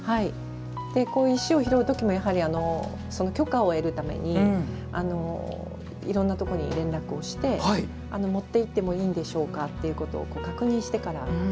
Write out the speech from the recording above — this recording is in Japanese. こういう石を拾う時も許可を得るためにいろんなところに連絡をして持っていってもいいんでしょうか？ということを確認してから。